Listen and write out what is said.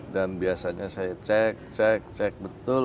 dan biasanya saya cek cek cek betul